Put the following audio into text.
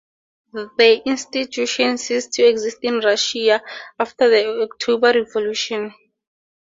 This institution ceased to exist in Russia after the October Revolution.